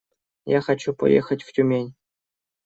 Я хочу поехать в Тюмень.